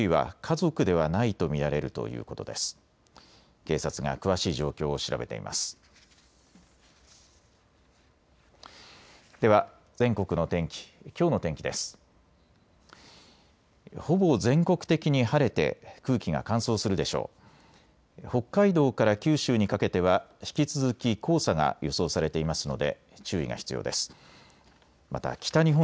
ほぼ全国的に晴れて空気が乾燥するでしょう。